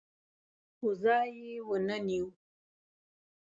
خو ځای یې ونه نیو